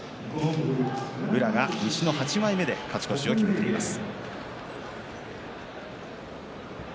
宇良が西の８枚目で勝ち越しを決めています。